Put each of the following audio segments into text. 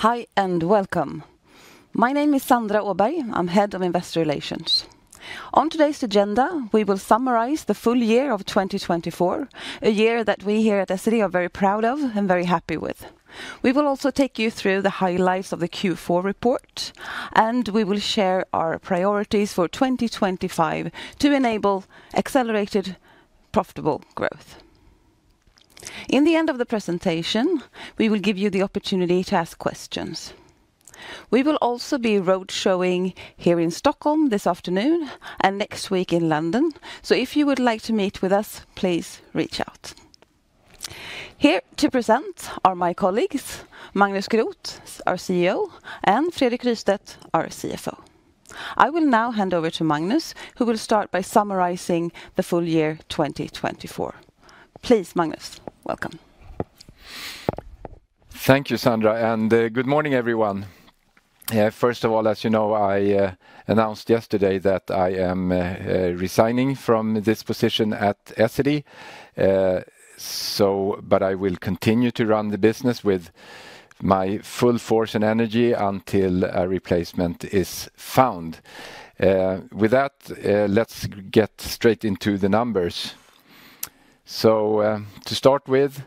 Hi and welcome. My name is Sandra Åberg. I'm Head of Investor Relations. On today's agenda, we will summarize the full year of 2024, a year that we here at Essity are very proud of and very happy with. We will also take you through the highlights of the Q4 report, and we will share our priorities for 2025 to enable accelerated, profitable growth. In the end of the presentation, we will give you the opportunity to ask questions. We will also be roadshowing here in Stockholm this afternoon and next week in London, so if you would like to meet with us, please reach out. Here to present are my colleagues, Magnus Groth, our CEO, and Fredrik Rystedt, our CFO. I will now hand over to Magnus, who will start by summarizing the full year 2024. Please, Magnus, welcome. Thank you, Sandra, and good morning, everyone. First of all, as you know, I announced yesterday that I am resigning from this position at Essity, but I will continue to run the business with my full force and energy until a replacement is found. With that, let's get straight into the numbers, so to start with,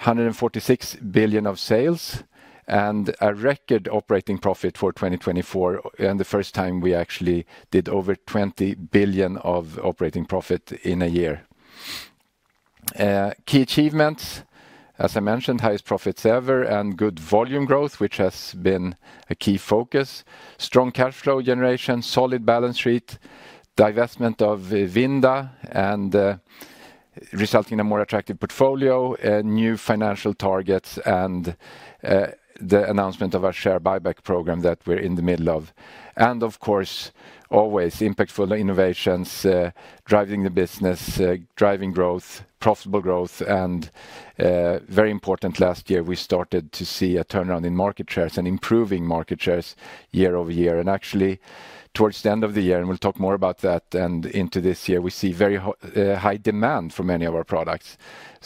146 billion of sales and a record operating profit for 2024, and the first time we actually did over 20 billion of operating profit in a year. Key achievements, as I mentioned, highest profits ever and good volume growth, which has been a key focus. Strong cash flow generation, solid balance sheet, divestment of Vinda resulting in a more attractive portfolio, new financial targets, and the announcement of our share buyback program that we're in the middle of. Of course, always impactful innovations driving the business, driving growth, profitable growth, and very importantly, last year we started to see a turnaround in market shares and improving market shares year over year. Actually, towards the end of the year, and we'll talk more about that, and into this year, we see very high demand for many of our products.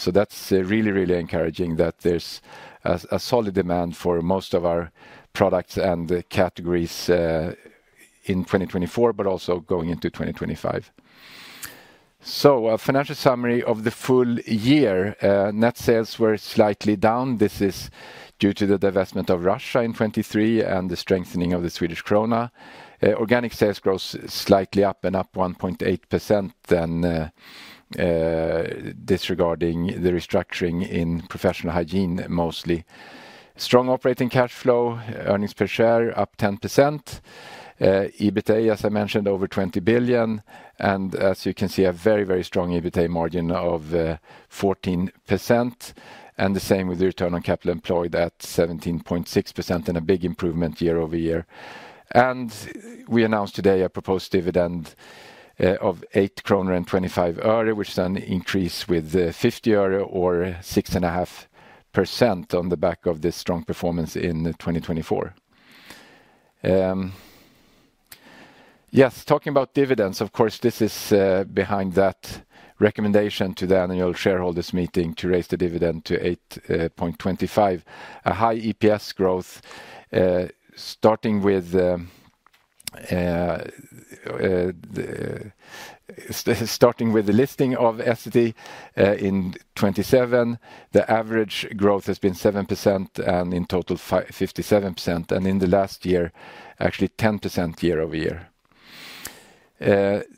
That's really, really encouraging that there's a solid demand for most of our products and categories in 2024, but also going into 2025. A financial summary of the full year. Net sales were slightly down. This is due to the divestment of Russia in 2023 and the strengthening of the Swedish krona. Organic sales growth slightly up, and up 1.8%, and disregarding the restructuring in Professional Hygiene mostly. Strong operating cash flow, earnings per share up 10%. EBITDA, as I mentioned, over 20 billion, and as you can see, a very, very strong EBITDA margin of 14%, and the same with the return on capital employed at 17.6% and a big improvement year over year. We announced today a proposed dividend of SEK 8.25, which is an increase with SEK 0.50 or 6.5% on the back of this strong performance in 2024. Yes, talking about dividends, of course, this is behind that recommendation to the annual shareholders meeting to raise the dividend to 8.25, a high EPS growth starting with the listing of Essity in 2027. The average growth has been 7% and in total 57%, and in the last year, actually 10% year over year.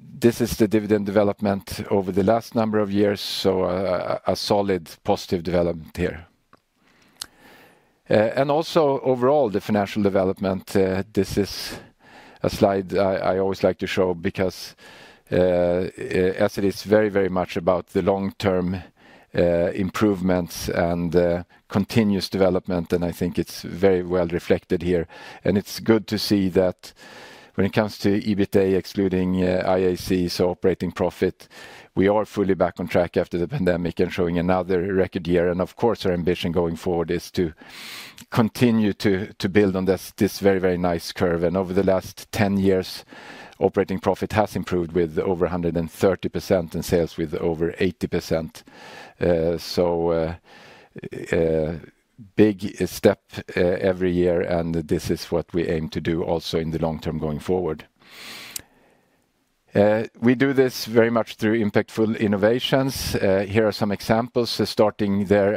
This is the dividend development over the last number of years, so a solid positive development here. Also overall, the financial development, this is a slide I always like to show because Essity is very, very much about the long-term improvements and continuous development, and I think it's very well reflected here. It's good to see that when it comes to EBITDA, excluding IAC, so operating profit, we are fully back on track after the pandemic and showing another record year. Of course, our ambition going forward is to continue to build on this very, very nice curve. Over the last 10 years, operating profit has improved with over 130% and sales with over 80%. Big step every year, and this is what we aim to do also in the long term going forward. We do this very much through impactful innovations. Here are some examples. Starting there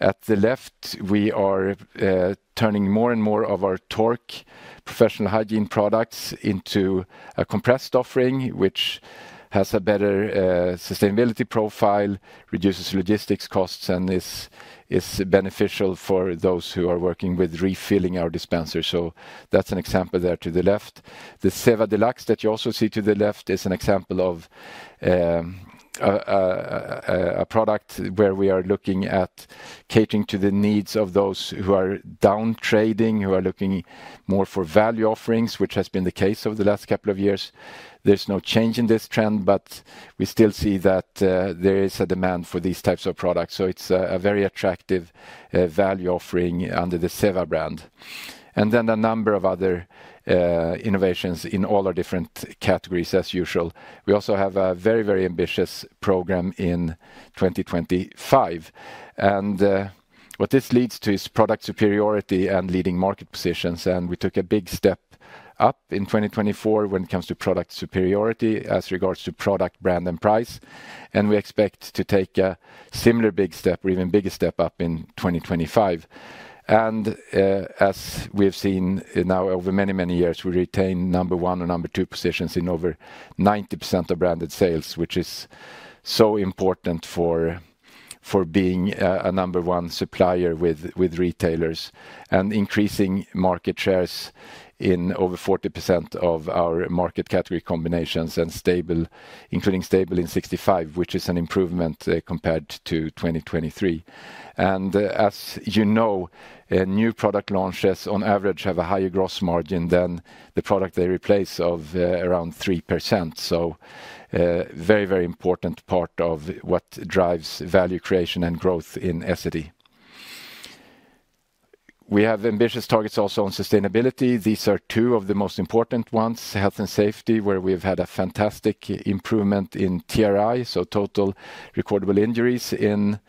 at the left, we are turning more and more of our Tork Professional Hygiene products into a compressed offering, which has a better sustainability profile, reduces logistics costs, and is beneficial for those who are working with refilling our dispensers. So that's an example there to the left. The Zewa Deluxe that you also see to the left is an example of a product where we are looking at catering to the needs of those who are down trading, who are looking more for value offerings, which has been the case over the last couple of years. There's no change in this trend, but we still see that there is a demand for these types of products. So it's a very attractive value offering under the Zewa brand. And then a number of other innovations in all our different categories, as usual. We also have a very, very ambitious program in 2025. What this leads to is product superiority and leading market positions. We took a big step up in 2024 when it comes to product superiority as regards to product brand and price. We expect to take a similar big step or even bigger step up in 2025. As we've seen now over many, many years, we retain number one or number two positions in over 90% of branded sales, which is so important for being a number one supplier with retailers and increasing market shares in over 40% of our market category combinations and including stable in 65%, which is an improvement compared to 2023. As you know, new product launches on average have a higher gross margin than the product they replace of around 3%. So a very, very important part of what drives value creation and growth in Essity. We have ambitious targets also on sustainability. These are two of the most important ones: health and safety, where we've had a fantastic improvement in TRI, so total recordable injuries in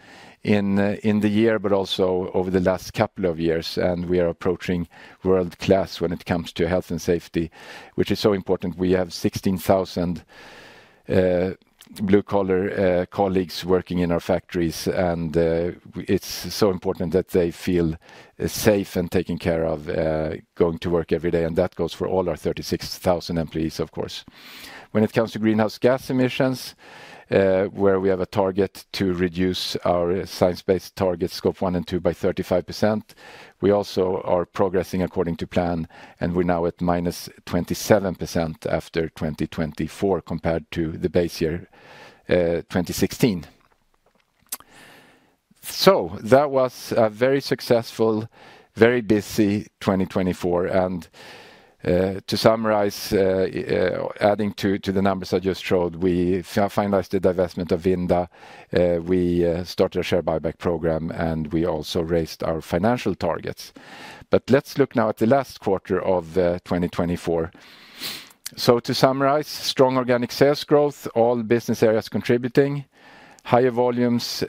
the year, but also over the last couple of years. And we are approaching world-class when it comes to health and safety, which is so important. We have 16,000 blue-collar colleagues working in our factories, and it's so important that they feel safe and taken care of going to work every day. And that goes for all our 36,000 employees, of course. When it comes to greenhouse gas emissions, where we have a target to reduce our Science Based Targets, Scope 1 and 2, by 35%. We also are progressing according to plan, and we're now at minus 27% after 2024 compared to the base year 2016, so that was a very successful, very busy 2024, and to summarize, adding to the numbers I just showed, we finalized the divestment of Vinda, we started a share buyback program, and we also raised our financial targets, but let's look now at the last quarter of 2024, so to summarize, strong organic sales growth, all business areas contributing, higher volumes,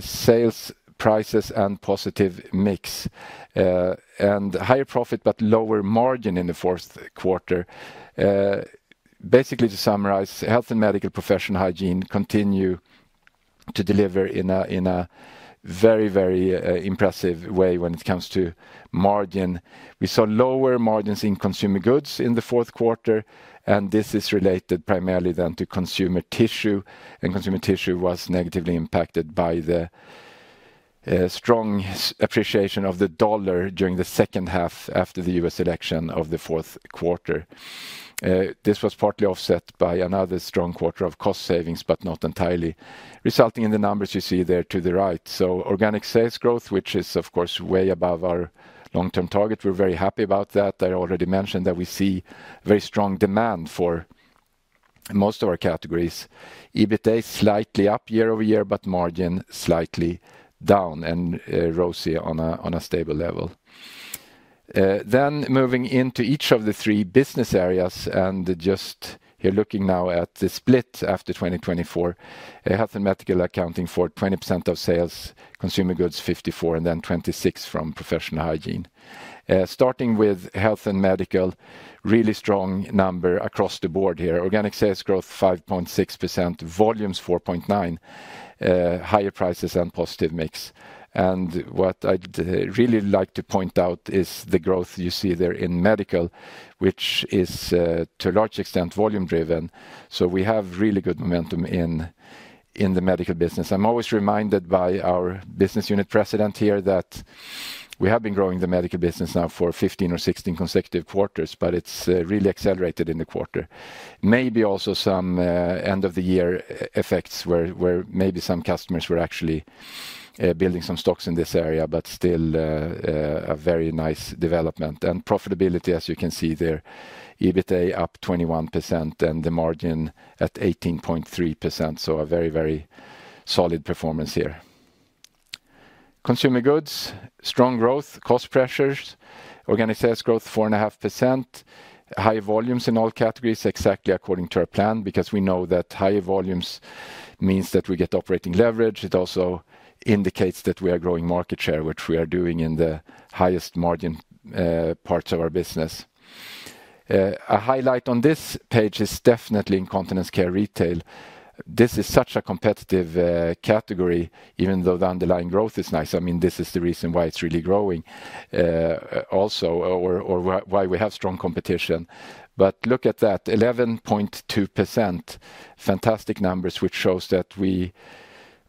sales prices, and positive mix, and higher profit but lower margin in the fourth quarter. Basically, to summarize, Health and Medical, Professional Hygiene continue to deliver in a very, very impressive way when it comes to margin. We saw lower margins in consumer goods in the fourth quarter, and this is related primarily then to Consumer Tissue, and Consumer Tissue was negatively impacted by the strong appreciation of the dollar during the second half after the U.S. election of the fourth quarter. This was partly offset by another strong quarter of cost savings, but not entirely, resulting in the numbers you see there to the right. So organic sales growth, which is of course way above our long-term target. We're very happy about that. I already mentioned that we see very strong demand for most of our categories. EBITDA slightly up year over year, but margin slightly down and ROCE on a stable level. Then, moving into each of the three business areas, and just here looking now at the split after 2024. Health and Medical accounting for 20% of sales, Consumer Goods 54%, and then 26% from Professional Hygiene. Starting with Health and Medical, really strong number across the board here. Organic sales growth 5.6%, volumes 4.9%, higher prices and positive mix. What I'd really like to point out is the growth you see there in medical, which is to a large extent volume-driven. So we have really good momentum in the medical business. I'm always reminded by our business unit president here that we have been growing the medical business now for 15 or 16 consecutive quarters, but it's really accelerated in the quarter. Maybe also some end-of-the-year effects where maybe some customers were actually building some stocks in this area, but still a very nice development. Profitability, as you can see there, EBITDA up 21% and the margin at 18.3%, so a very, very solid performance here. Consumer Goods, strong growth, cost pressures, organic sales growth 4.5%, high volumes in all categories, exactly according to our plan, because we know that higher volumes means that we get operating leverage. It also indicates that we are growing market share, which we are doing in the highest margin parts of our business. A highlight on this page is definitely incontinence care retail. This is such a competitive category, even though the underlying growth is nice. I mean, this is the reason why it's really growing also or why we have strong competition. But look at that, 11.2%, fantastic numbers, which shows that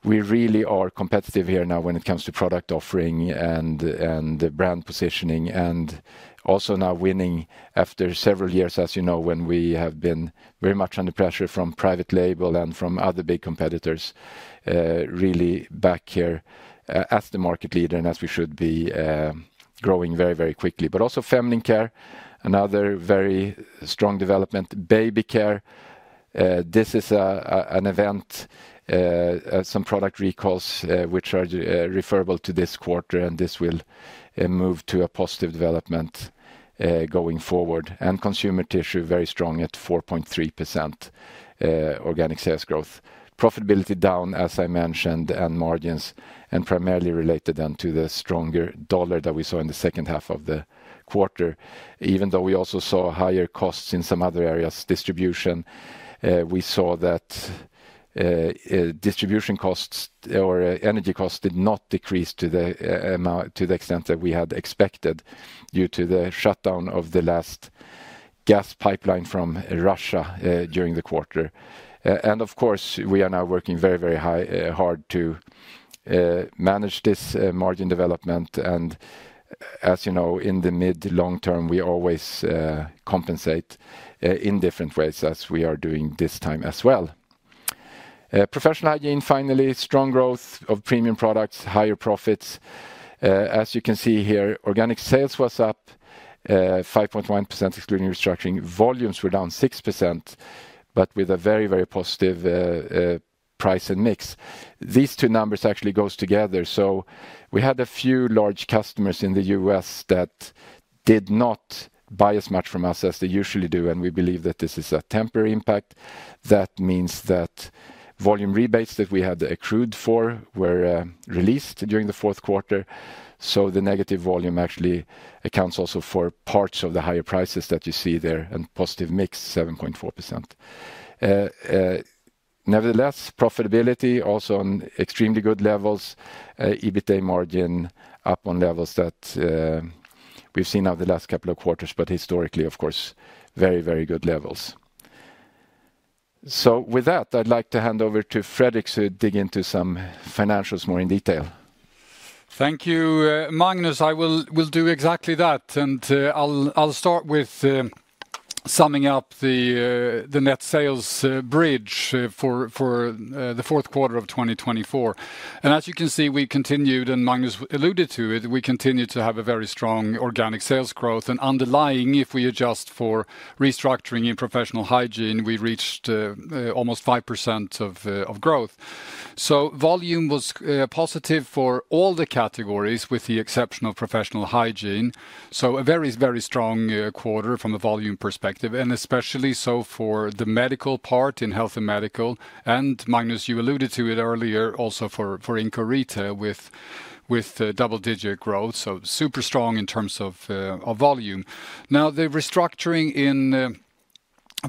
we really are competitive here now when it comes to product offering and brand positioning, and also now winning after several years, as you know, when we have been very much under pressure from private label and from other big competitors, really back here as the market leader and as we should be, growing very, very quickly. But also feminine care, another very strong development, baby care. This is an event, some product recalls, which are referable to this quarter, and this will move to a positive development going forward. And Consumer Tissue, very strong at 4.3% organic sales growth. Profitability down, as I mentioned, and margins, and primarily related then to the stronger dollar that we saw in the second half of the quarter. Even though we also saw higher costs in some other areas, distribution, we saw that distribution costs or energy costs did not decrease to the extent that we had expected due to the shutdown of the last gas pipeline from Russia during the quarter, and of course, we are now working very, very hard to manage this margin development, and as you know, in the mid-long term, we always compensate in different ways, as we are doing this time as well. Professional Hygiene, finally, strong growth of premium products, higher profits. As you can see here, organic sales was up 5.1% excluding restructuring. Volumes were down 6%, but with a very, very positive price and mix. These two numbers actually go together. We had a few large customers in the U.S. that did not buy as much from us as they usually do, and we believe that this is a temporary impact. That means that volume rebates that we had accrued for were released during the fourth quarter. So the negative volume actually accounts also for parts of the higher prices that you see there and positive mix, 7.4%. Nevertheless, profitability also on extremely good levels, EBITDA margin up on levels that we've seen over the last couple of quarters, but historically, of course, very, very good levels. So with that, I'd like to hand over to Fredrik to dig into some financials more in detail. Thank you, Magnus. I will do exactly that. And I'll start with summing up the net sales bridge for the fourth quarter of 2024. As you can see, we continued, and Magnus alluded to it, we continued to have a very strong organic sales growth. Underlying, if we adjust for restructuring in Professional Hygiene, we reached almost 5% of growth. Volume was positive for all the categories with the exception of Professional Hygiene. It was a very, very strong quarter from a volume perspective, and especially so for the medical part in health and medical. Magnus, you alluded to it earlier, also for Inco Retail with double-digit growth. It was super strong in terms of volume. The restructuring in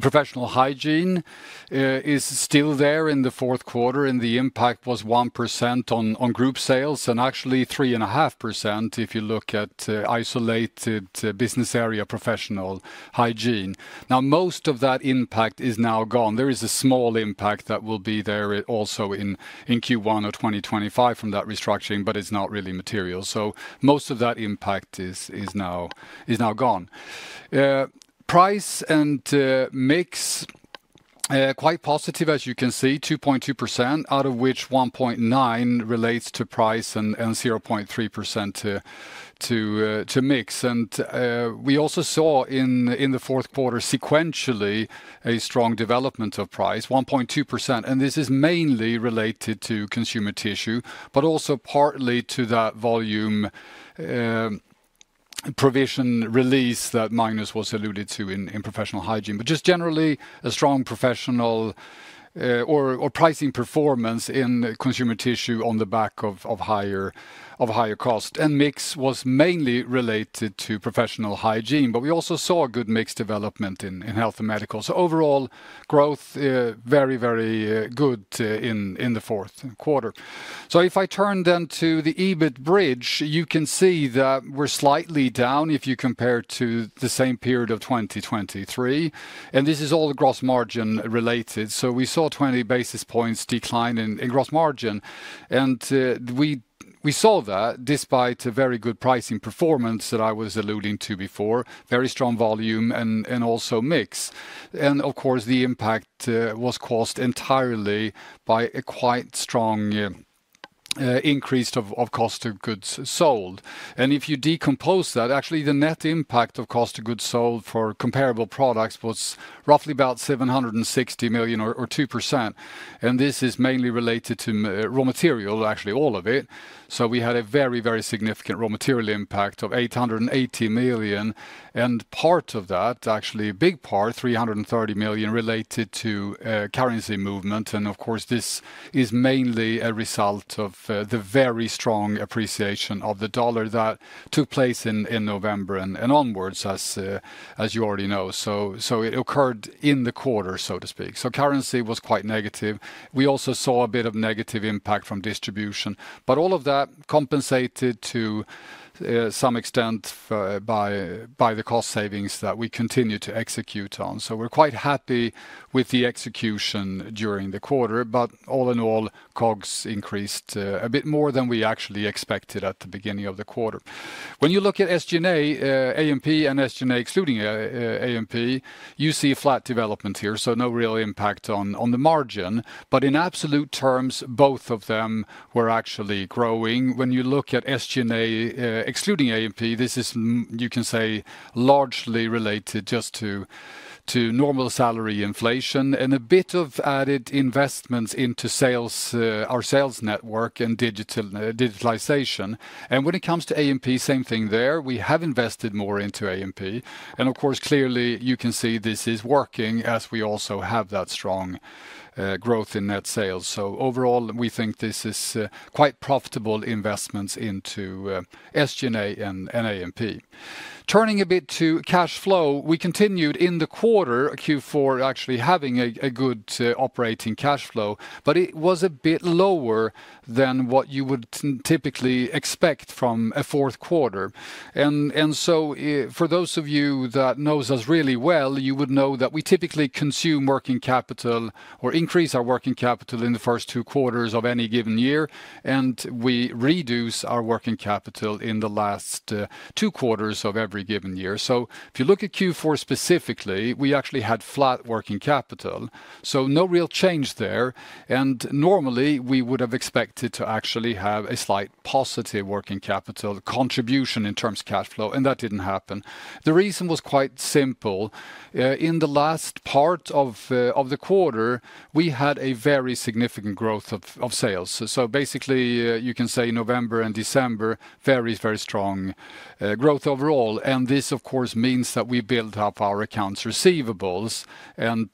Professional Hygiene is still there in the fourth quarter, and the impact was 1% on group sales and actually 3.5% if you look at isolated business area Professional Hygiene. Most of that impact is now gone. There is a small impact that will be there also in Q1 of 2025 from that restructuring, but it's not really material, so most of that impact is now gone. Price and mix quite positive, as you can see, 2.2%, out of which 1.9% relates to price and 0.3% to mix. We also saw in the fourth quarter sequentially a strong development of price, 1.2%. This is mainly related to Consumer Tissue, but also partly to that volume provision release that Magnus alluded to in Professional Hygiene. Just generally, a strong pricing performance in Consumer Tissue on the back of higher cost. Mix was mainly related to Professional Hygiene, but we also saw good mix development in health and medical. Overall, growth very, very good in the fourth quarter. If I turn then to the EBIT bridge, you can see that we're slightly down if you compare to the same period of 2023. And this is all gross margin related. We saw 20 basis points decline in gross margin. And we saw that despite a very good pricing performance that I was alluding to before, very strong volume and also mix. And of course, the impact was caused entirely by a quite strong increase of cost of goods sold. And if you decompose that, actually the net impact of cost of goods sold for comparable products was roughly about 760 million or 2%. And this is mainly related to raw material, actually all of it. We had a very, very significant raw material impact of 880 million. And part of that, actually a big part, 330 million related to currency movement. Of course, this is mainly a result of the very strong appreciation of the dollar that took place in November and onwards, as you already know. It occurred in the quarter, so to speak. Currency was quite negative. We also saw a bit of negative impact from distribution, but all of that compensated to some extent by the cost savings that we continue to execute on. We're quite happy with the execution during the quarter, but all in all, COGS increased a bit more than we actually expected at the beginning of the quarter. When you look at SG&A, A&P and SG&A excluding A&P, you see flat development here, so no real impact on the margin. But in absolute terms, both of them were actually growing. When you look at SG&A excluding A&P, this is, you can say, largely related just to normal salary inflation and a bit of added investments into our sales network and digitalization, and when it comes to A&P, same thing there. We have invested more into A&P, and of course, clearly, you can see this is working as we also have that strong growth in net sales, so overall, we think this is quite profitable investments into SG&A and A&P. Turning a bit to cash flow, we continued in the quarter, Q4, actually having a good operating cash flow, but it was a bit lower than what you would typically expect from a fourth quarter. So for those of you that know us really well, you would know that we typically consume working capital or increase our working capital in the first two quarters of any given year, and we reduce our working capital in the last two quarters of every given year. So if you look at Q4 specifically, we actually had flat working capital, so no real change there. And normally, we would have expected to actually have a slight positive working capital contribution in terms of cash flow, and that didn't happen. The reason was quite simple. In the last part of the quarter, we had a very significant growth of sales. So basically, you can say November and December, very, very strong growth overall. And this, of course, means that we build up our accounts receivables, and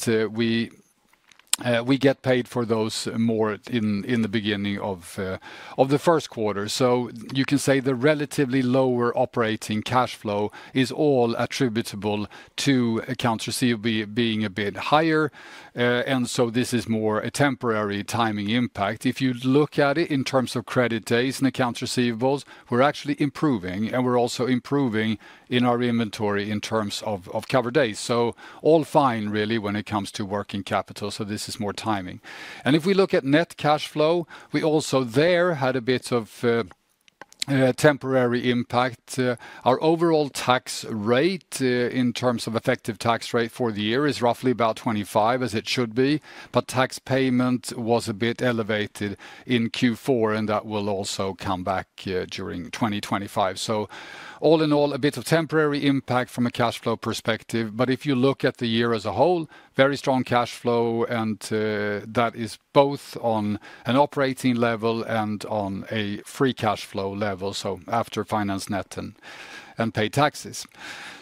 we get paid for those more in the beginning of the first quarter. So you can say the relatively lower operating cash flow is all attributable to accounts receivables being a bit higher. And so this is more a temporary timing impact. If you look at it in terms of credit days and accounts receivables, we're actually improving, and we're also improving in our inventory in terms of cover days. So all fine really when it comes to working capital. So this is more timing. And if we look at net cash flow, we also there had a bit of temporary impact. Our overall tax rate in terms of effective tax rate for the year is roughly about 25%, as it should be. But tax payment was a bit elevated in Q4, and that will also come back during 2025. So all in all, a bit of temporary impact from a cash flow perspective. But if you look at the year as a whole, very strong cash flow, and that is both on an operating level and on a free cash flow level, so after finance net and pay taxes.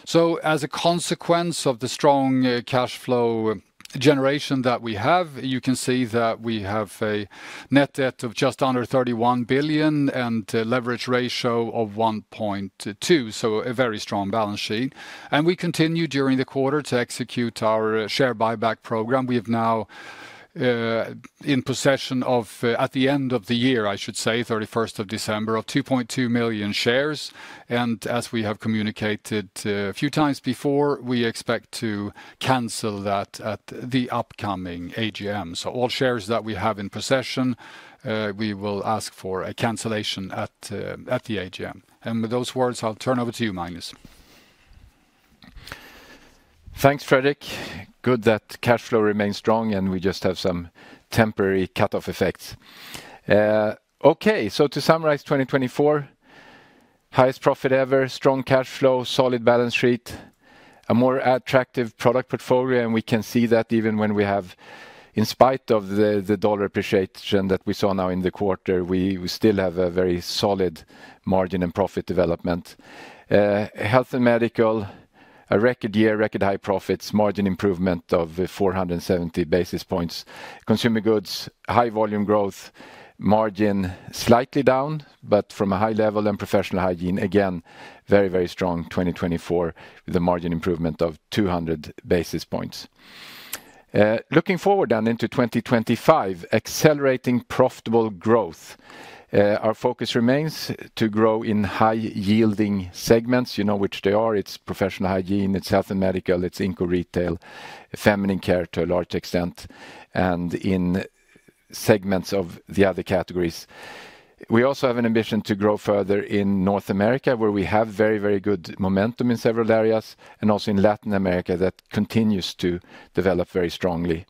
So as a consequence of the strong cash flow generation that we have, you can see that we have a net debt of just under 31 billion and a leverage ratio of 1.2%, so a very strong balance sheet. And we continue during the quarter to execute our share buyback program. We have now in possession of, at the end of the year, I should say, 31st of December, of 2.2 million shares. And as we have communicated a few times before, we expect to cancel that at the upcoming AGM. So all shares that we have in possession, we will ask for a cancellation at the AGM. And with those words, I'll turn over to you, Magnus. Thanks, Fredrik. Good that cash flow remains strong and we just have some temporary cut-off effects. Okay, so to summarize 2024, highest profit ever, strong cash flow, solid balance sheet, a more attractive product portfolio, and we can see that even when we have, in spite of the dollar appreciation that we saw now in the quarter, we still have a very solid margin and profit development. Health and Medical, a record year, record high profits, margin improvement of 470 basis points. Consumer Goods, high volume growth, margin slightly down, but from a high level and Professional Hygiene, again, very, very strong 2024 with a margin improvement of 200 basis points. Looking forward then into 2025, accelerating profitable growth. Our focus remains to grow in high-yielding segments. You know which they are. It's Professional Hygiene, it's health and medical, it's Inco Retail, feminine care to a large extent, and in segments of the other categories. We also have an ambition to grow further in North America, where we have very, very good momentum in several areas, and also in Latin America that continues to develop very strongly.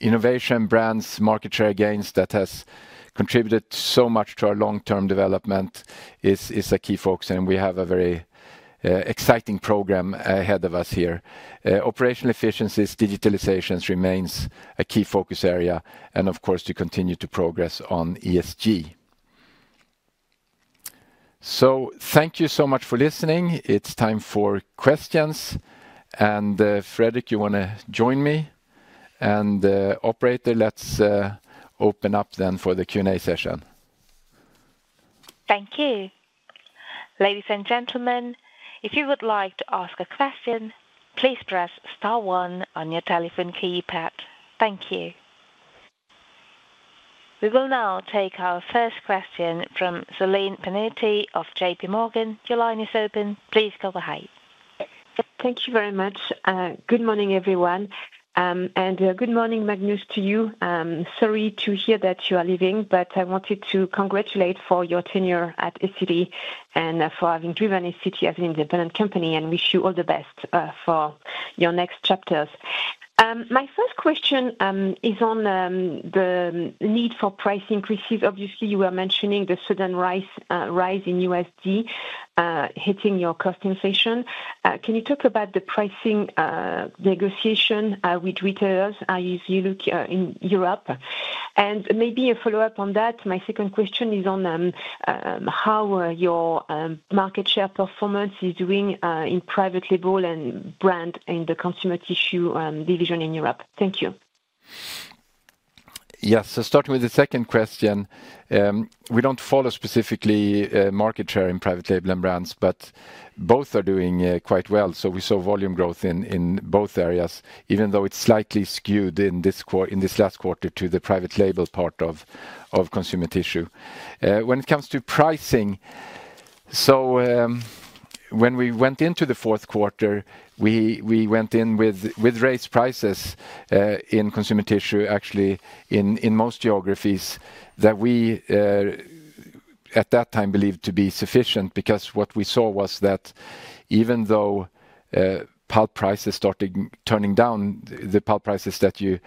Innovation, brands, market share gains that has contributed so much to our long-term development is a key focus, and we have a very exciting program ahead of us here. Operational efficiencies, digitalization remains a key focus area, and of course, to continue to progress on ESG. So thank you so much for listening. It's time for questions. And Fredrik, you want to join me? And operator, let's open up then for the Q&A session. Thank you. Ladies and gentlemen, if you would like to ask a question, please press star one on your telephone keypad. Thank you. We will now take our first question from Celine Pannuti of J.P. Morgan. Your line is open. Please go ahead. Thank you very much. Good morning, everyone. And good morning, Magnus, to you. Sorry to hear that you are leaving, but I wanted to congratulate for your tenure at ECD and for having driven ECD as an independent company and wish you all the best for your next chapters. My first question is on the need for price increases. Obviously, you were mentioning the sudden rise in USD hitting your cost inflation. Can you talk about the pricing negotiation with retailers as you look in Europe? And maybe a follow-up on that, my second question is on how your market share performance is doing in private label and brand in the Consumer Tissue division in Europe. Thank you. Yes, so starting with the second question, we don't follow specifically market share in private label and brands, but both are doing quite well. So we saw volume growth in both areas, even though it's slightly skewed in this last quarter to the private label part of Consumer Tissue. When it comes to pricing, so when we went into the fourth quarter, we went in with raised prices in Consumer Tissue, actually in most geographies that we at that time believed to be sufficient because what we saw was that even though pulp prices started turning down, the pulp prices that you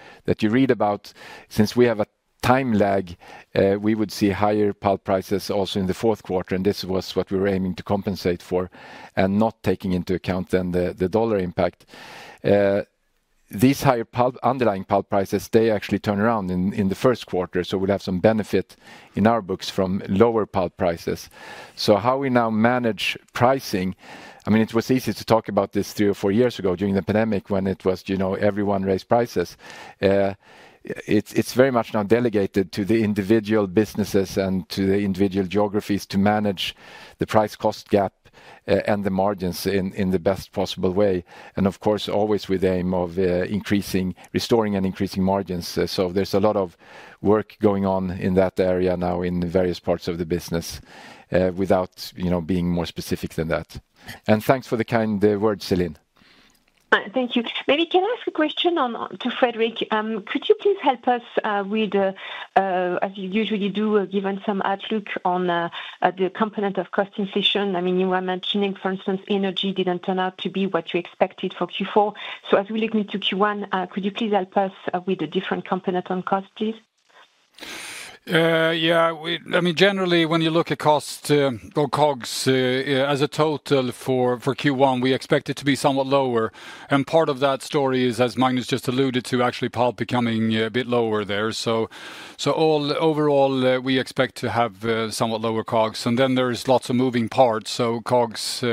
read about, since we have a time lag, we would see higher pulp prices also in the fourth quarter. And this was what we were aiming to compensate for and not taking into account then the dollar impact. These higher underlying pulp prices, they actually turn around in the first quarter. So we'll have some benefit in our books from lower pulp prices. So how we now manage pricing, I mean, it was easy to talk about this three or four years ago during the pandemic when it was everyone raised prices. It's very much now delegated to the individual businesses and to the individual geographies to manage the price cost gap and the margins in the best possible way. And of course, always with the aim of restoring and increasing margins. So there's a lot of work going on in that area now in various parts of the business without being more specific than that. And thanks for the kind word, Celine. Thank you. Maybe can I ask a question to Fredrik? Could you please help us with, as you usually do, given some outlook on the component of cost inflation? I mean, you were mentioning, for instance, energy didn't turn out to be what you expected for Q4. So as we look into Q1, could you please help us with a different component on cost, please? Yeah, I mean, generally, when you look at cost or COGS as a total for Q1, we expect it to be somewhat lower. And part of that story is, as Magnus just alluded to, actually pulp becoming a bit lower there. So overall, we expect to have somewhat lower COGS. And then there's lots of moving parts. So COGS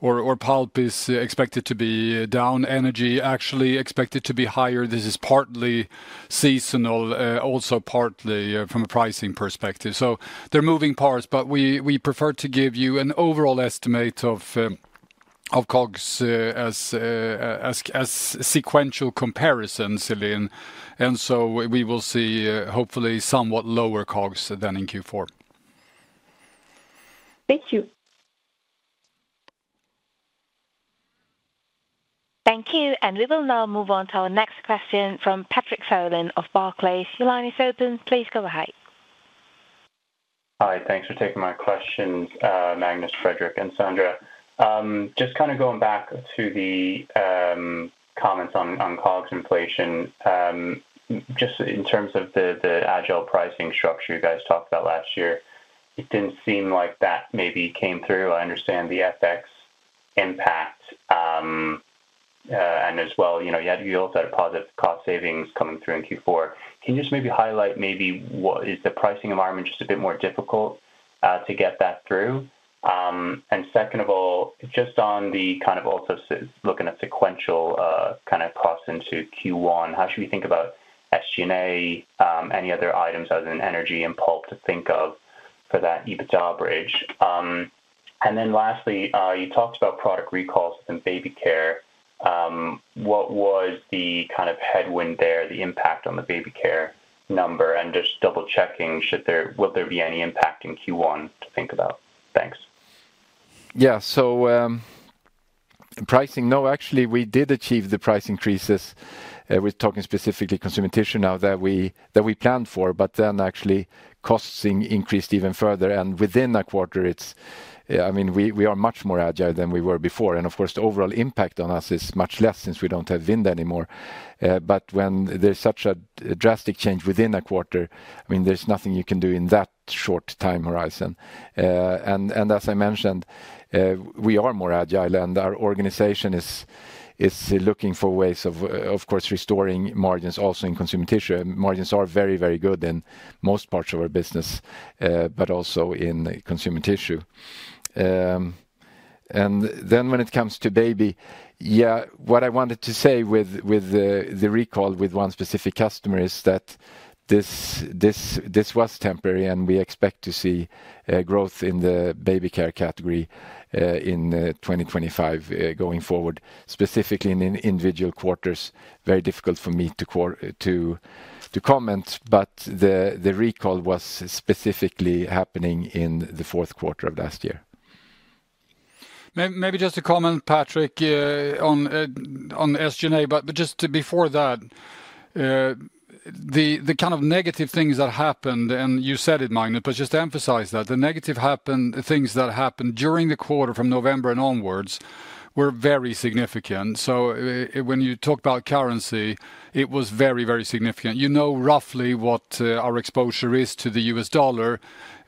or pulp is expected to be down, energy actually expected to be higher. This is partly seasonal, also partly from a pricing perspective. So they're moving parts, but we prefer to give you an overall estimate of COGS as sequential comparison, Celine. And so we will see hopefully somewhat lower COGS than in Q4. Thank you. Thank you. And we will now move on to our next question from Patrick Folan of Barclays. Your line is open. Please go ahead. Hi, thanks for taking my questions, Magnus, Fredrik, and Sandra. Just kind of going back to the comments on COGS inflation, just in terms of the agile pricing structure you guys talked about last year, it didn't seem like that maybe came through. I understand the FX impact and as well, you also had positive cost savings coming through in Q4. Can you just maybe highlight maybe what is the pricing environment just a bit more difficult to get that through? Second of all, just on the kind of also looking at sequential kind of costs into Q1, how should we think about SG&A, any other items other than energy and pulp to think of for that EBITDA bridge? And then lastly, you talked about product recalls and baby care. What was the kind of headwind there, the impact on the baby care number? And just double-checking, will there be any impact in Q1 to think about? Thanks. Yeah, so pricing. No, actually we did achieve the price increases we're talking specifically about Consumer Tissue now that we planned for, but then actually costs increased even further. And within a quarter, I mean, we are much more agile than we were before. And of course, the overall impact on us is much less since we don't have Vinda anymore. But when there's such a drastic change within a quarter, I mean, there's nothing you can do in that short time horizon. And as I mentioned, we are more agile and our organization is looking for ways of, of course, restoring margins also in Consumer Tissue. Margins are very, very good in most parts of our business, but also in Consumer Tissue. And then when it comes to baby, yeah, what I wanted to say with the recall with one specific customer is that this was temporary and we expect to see growth in the baby care category in 2025 going forward, specifically in individual quarters. Very difficult for me to comment, but the recall was specifically happening in the fourth quarter of last year. Maybe just a comment, Patrick, on SG&A, but just before that, the kind of negative things that happened, and you said it, Magnus, but just to emphasize that the negative things that happened during the quarter from November and onwards were very significant. So when you talk about currency, it was very, very significant. You know roughly what our exposure is to the U.S. dollar,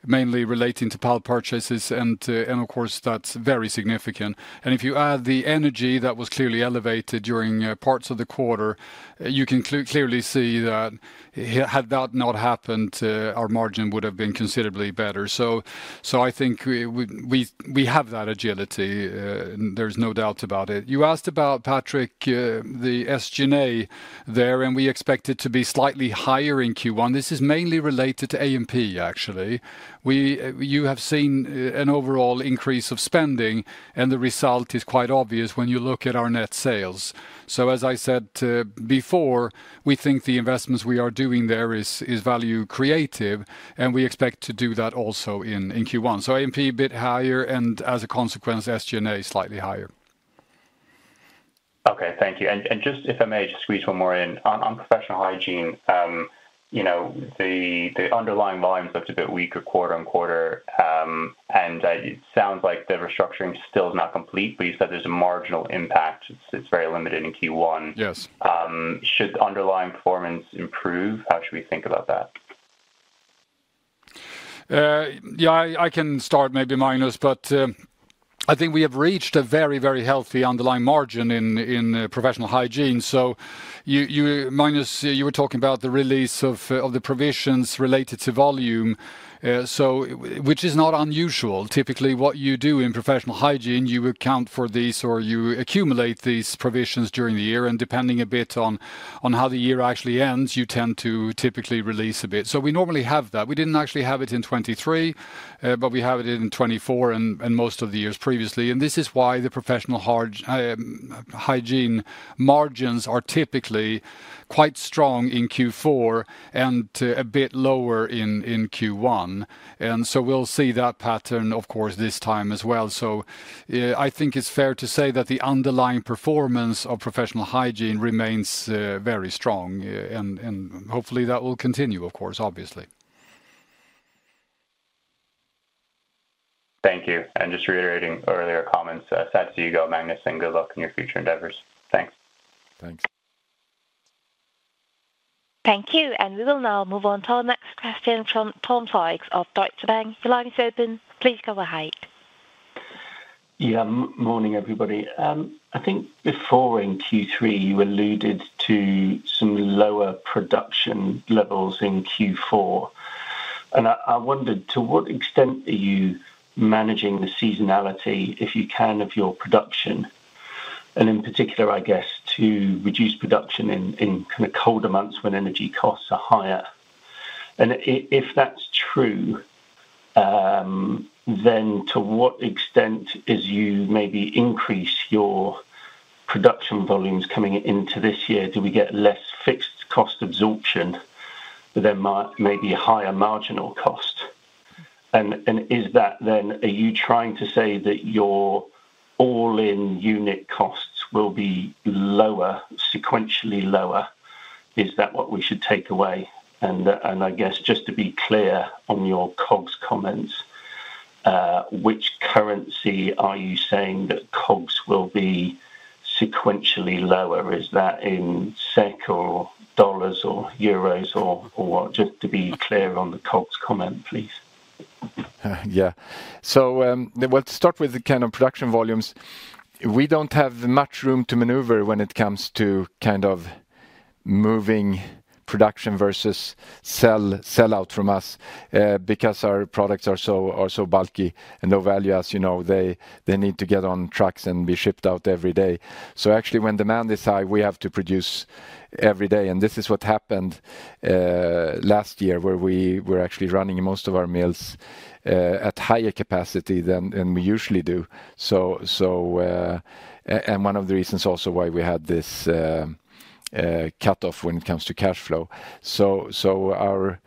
mainly relating to pulp purchases, and of course, that's very significant. And if you add the energy that was clearly elevated during parts of the quarter, you can clearly see that had that not happened, our margin would have been considerably better. So I think we have that agility. There's no doubt about it. You asked about, Patrick, the SG&A there, and we expect it to be slightly higher in Q1. This is mainly related to A&P, actually. You have seen an overall increase of spending, and the result is quite obvious when you look at our net sales. So as I said before, we think the investments we are doing there are value creative, and we expect to do that also in Q1. So A&P a bit higher, and as a consequence, SG&A slightly higher. Okay, thank you. And just if I may just squeeze one more in on Professional Hygiene, the underlying volumes looked a bit weaker quarter on quarter, and it sounds like the restructuring still is not complete, but you said there's a marginal impact. It's very limited in Q1. Should underlying performance improve? How should we think about that? Yeah, I can start maybe, Magnus, but I think we have reached a very, very healthy underlying margin in Professional Hygiene. So Magnus, you were talking about the release of the provisions related to volume, which is not unusual. Typically, what you do in Professional Hygiene, you account for these or you accumulate these provisions during the year. And depending a bit on how the year actually ends, you tend to typically release a bit. So we normally have that. We didn't actually have it in 2023, but we have it in 2024 and most of the years previously. And this is why the Professional Hygiene margins are typically quite strong in Q4 and a bit lower in Q1. And so we'll see that pattern, of course, this time as well. So I think it's fair to say that the underlying performance of Professional Hygiene remains very strong, and hopefully that will continue, of course, obviously. Thank you. And just reiterating earlier comments, sad to see you go, Magnus, and good luck in your future endeavors. Thanks. Thanks. Thank you. And we will now move on to our next question from Tom Sykes of Deutsche Bank. Your line is open. Please go ahead. Yeah, morning, everybody. I think before in Q3, you alluded to some lower production levels in Q4. And I wondered to what extent are you managing the seasonality, if you can, of your production? And in particular, I guess, to reduce production in kind of colder months when energy costs are higher. And if that's true, then to what extent is you maybe increase your production volumes coming into this year? Do we get less fixed cost absorption, but then maybe a higher marginal cost? And is that then are you trying to say that your all-in unit costs will be lower, sequentially lower? Is that what we should take away, and I guess just to be clear on your COGS comments, which currency are you saying that COGS will be sequentially lower? Is that in SEK or dollars or euros or what? Just to be clear on the COGS comment, please. Yeah, so we'll start with the kind of production volumes. We don't have much room to maneuver when it comes to kind of moving production versus sell out from us because our products are so bulky and low value, as you know, they need to get on trucks and be shipped out every day. So actually, when demand is high, we have to produce every day, and this is what happened last year where we were actually running most of our mills at higher capacity than we usually do. One of the reasons also why we had this cutoff when it comes to cash flow. Our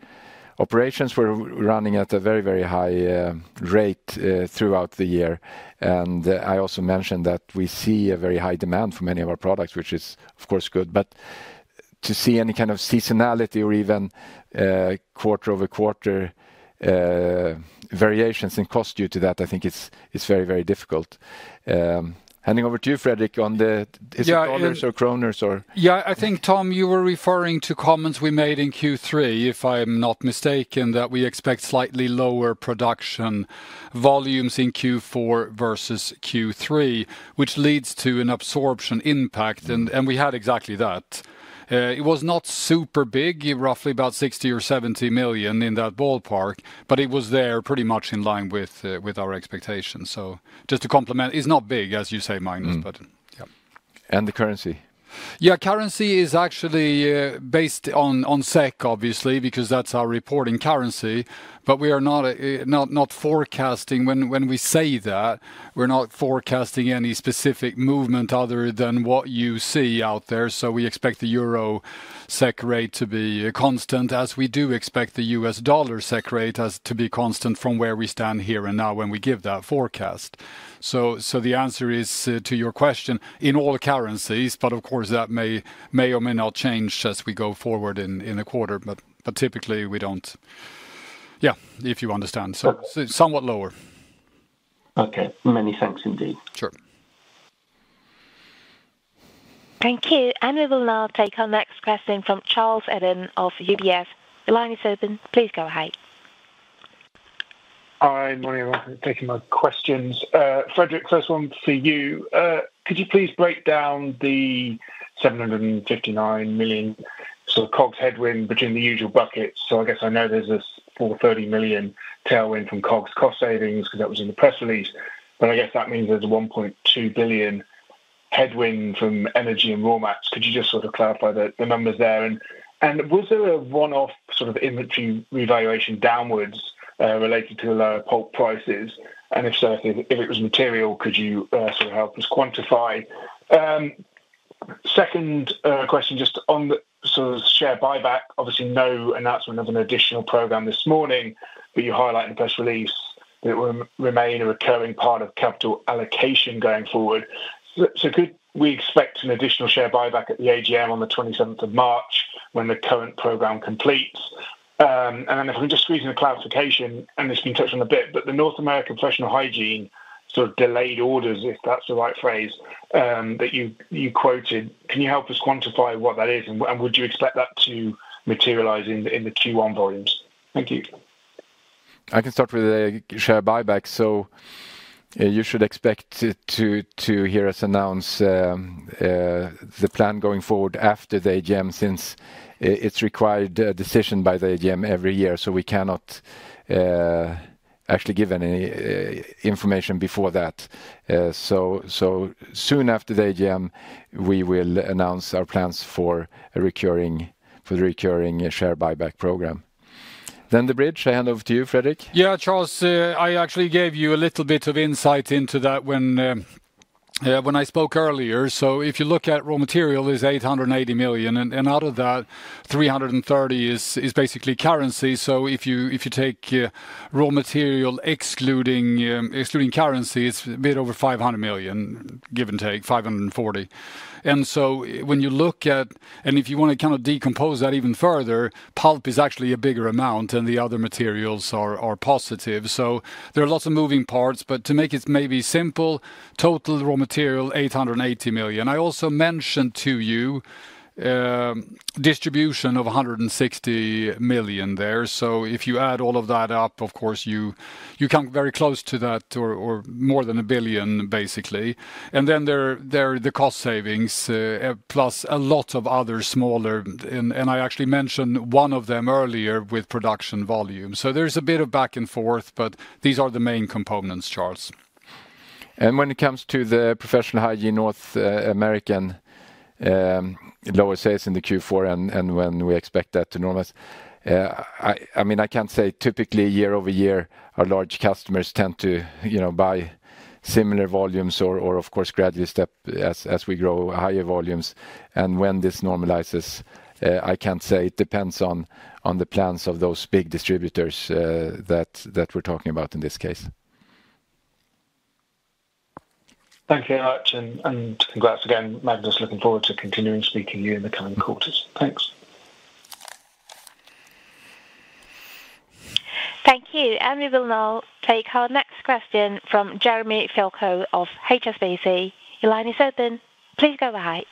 operations were running at a very, very high rate throughout the year. I also mentioned that we see a very high demand for many of our products, which is, of course, good. To see any kind of seasonality or even quarter-over-quarter variations in cost due to that, I think it's very, very difficult. Handing over to you, Fredrik, on the. Is it dollars or kronor or? Yeah, I think, Tom, you were referring to comments we made in Q3, if I'm not mistaken, that we expect slightly lower production volumes in Q4 versus Q3, which leads to an absorption impact. We had exactly that. It was not super big, roughly about 60 or 70 million in that ballpark, but it was there pretty much in line with our expectations, so just to complement, it's not big, as you say, Magnus, but yeah, and the currency? Yeah, currency is actually based on SEK, obviously, because that's our reporting currency. But we are not forecasting when we say that, we're not forecasting any specific movement other than what you see out there, so we expect the euro SEK rate to be constant, as we do expect the U.S. dollar SEK rate to be constant from where we stand here and now when we give that forecast, so the answer is to your question in all currencies, but of course, that may or may not change as we go forward in the quarter, but typically, we don't. Yeah, if you understand, so somewhat lower. Okay. Many thanks indeed. Sure. Thank you. And we will now take our next question from Charles Eden of UBS. The line is open. Please go ahead. Hi, morning. Thank you for my questions. Fredrik, first one for you. Could you please break down the 759 million sort of COGS headwind between the usual buckets? So I guess I know there's this 430 million tailwind from COGS cost savings because that was in the press release. But I guess that means there's a 1.2 billion headwind from energy and raw mats. Could you just sort of clarify the numbers there? And was there a one-off sort of inventory revaluation downwards related to lower pulp prices? And if so, if it was material, could you sort of help us quantify? Second question, just on the sort of share buyback, obviously no announcement of an additional program this morning, but you highlight in the press release that it will remain a recurring part of capital allocation going forward. So could we expect an additional share buyback at the AGM on the 27th of March when the current program completes? And then if I can just squeeze in a clarification, and this has been touched on a bit, but the North American Professional Hygiene sort of delayed orders, if that's the right phrase that you quoted, can you help us quantify what that is? And would you expect that to materialize in the Q1 volumes? Thank you. I can start with the share buyback. So you should expect to hear us announce the plan going forward after the AGM since it's required a decision by the AGM every year. We cannot actually give any information before that. Soon after the AGM, we will announce our plans for the recurring share buyback program. Then the bridge. I hand over to you, Fredrik. Yeah, Charles, I actually gave you a little bit of insight into that when I spoke earlier. So if you look at raw material, it's 880 million, and out of that, 330 is basically currency. So if you take raw material excluding currency, it's a bit over 500 million, give and take 540 million. And so when you look at, and if you want to kind of decompose that even further, pulp is actually a bigger amount and the other materials are positive. So there are lots of moving parts, but to make it maybe simple, total raw material, 880 million. I also mentioned to you distribution of 160 million there. So if you add all of that up, of course, you come very close to that or more than a billion, basically. And then there are the cost savings plus a lot of other smaller, and I actually mentioned one of them earlier with production volume. So there's a bit of back and forth, but these are the main components, Charles. And when it comes to the Professional Hygiene North American lower sales in Q4 and when we expect that to normalize, I mean, I can't say. Typically year over year, our large customers tend to buy similar volumes or, of course, gradually step as we grow higher volumes. And when this normalizes, I can't say. It depends on the plans of those big distributors that we're talking about in this case. Thank you very much. And congrats again, Magnus, looking forward to continuing speaking to you in the coming quarters. Thanks. Thank you. And we will now take our next question from Jeremy Fialko of HSBC. Your line is open. Please go ahead.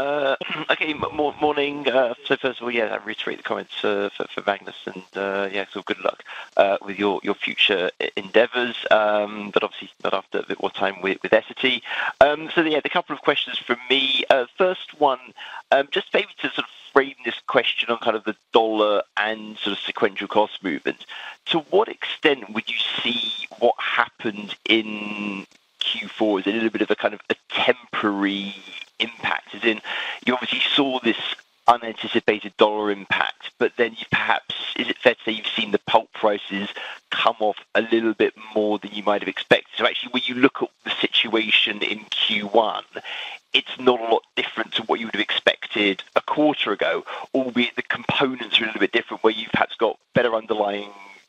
Okay, morning. So first of all, yeah, I'll reiterate the comments for Magnus and yeah, so good luck with your future endeavors, but obviously not after a bit more time with Essity. So yeah, the couple of questions from me. First one, just maybe to sort of frame this question on kind of the dollar and sort of sequential cost movements. To what extent would you see what happened in Q4? Is it a little bit of a kind of a temporary impact? As in, you obviously saw this unanticipated dollar impact, but then you perhaps, is it fair to say you've seen the pulp prices come off a little bit more than you might have expected? So actually, when you look at the situation in Q1, it's not a lot different to what you would have expected a quarter ago, albeit the components are a little bit different where you've perhaps got better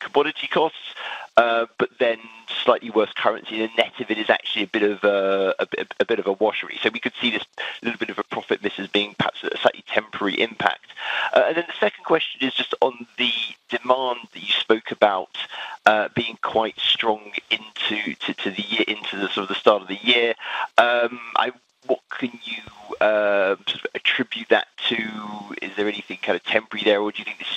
underlying commodity costs, but then slightly worse currency. The net of it is actually a bit of a wash. So we could see this little bit of a profit miss as being perhaps a slightly temporary impact. And then the second question is just on the demand that you spoke about being quite strong into the year, into the sort of the start of the year. What can you sort of attribute that to? Is there anything kind of temporary there, or do you think this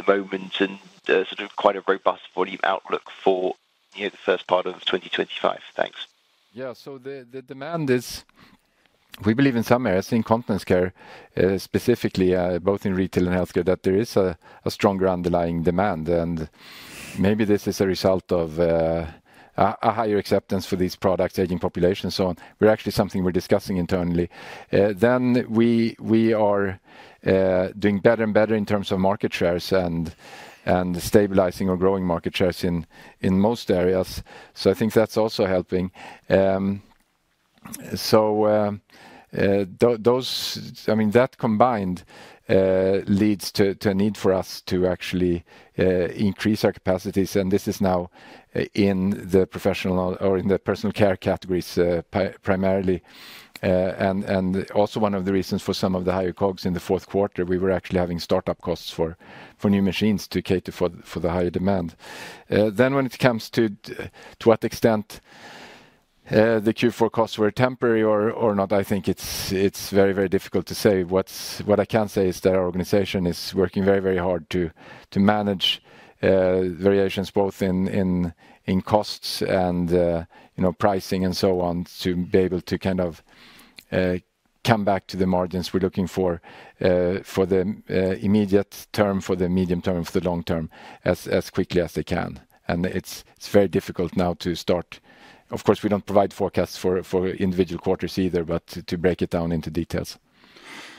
is just a good read for where the business is trading at the moment and sort of quite a robust volume outlook for the first part of 2025? Thanks. Yeah, so the demand is, we believe in some areas, in incontinence care specifically, both in retail and healthcare, that there is a stronger underlying demand. And maybe this is a result of a higher acceptance for these products, aging population, and so on. We're actually something we're discussing internally. Then we are doing better and better in terms of market shares and stabilizing or growing market shares in most areas. So I think that's also helping. So I mean, that combined leads to a need for us to actually increase our capacities. And this is now in the professional or in the personal care categories primarily. And also, one of the reasons for some of the higher COGS in the fourth quarter, we were actually having startup costs for new machines to cater for the higher demand. Then, when it comes to what extent the Q4 costs were temporary or not, I think it's very, very difficult to say. What I can say is that our organization is working very, very hard to manage variations both in costs and pricing and so on to be able to kind of come back to the margins we're looking for for the immediate term, for the medium term, for the long term as quickly as they can. And it's very difficult now to start. Of course, we don't provide forecasts for individual quarters either, but to break it down into details.